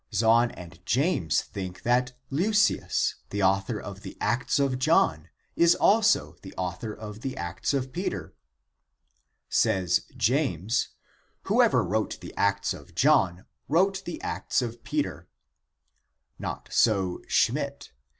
Zahn and James think that Leucius, the author of the Acts of John, is also the author of the Acts of Peter. Says James {Texts and Studies, V. i, p. XXIV fif) : "who ever wrote the Acts of John wrote the Acts of Peter." Not so Schmidt.